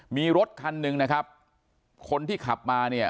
มีรถคันหนึ่งนะครับคนที่ขับมาเนี่ย